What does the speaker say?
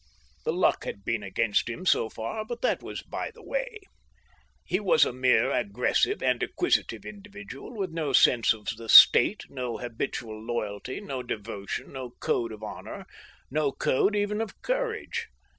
The luck had been against him so far, but that was by the way. He was a mere aggressive and acquisitive individual with no sense of the State, no habitual loyalty, no devotion, no code of honour, no code even of courage.